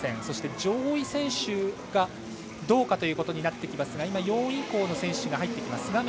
そして、上位選手がどうかということになりますが４位以降の選手が入ってきました。